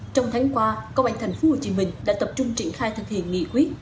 trong tháng qua công an tp hcm đã tập trung triển khai thực hiện nghị quyết